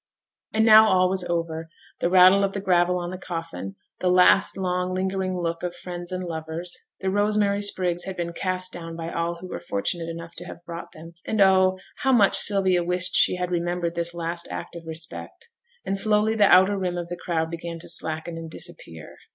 And now all was over: the rattle of the gravel on the coffin; the last long, lingering look of friends and lovers; the rosemary sprigs had been cast down by all who were fortunate enough to have brought them and oh! how much Sylvia wished she had remembered this last act of respect and slowly the outer rim of the crowd began to slacken and disappear.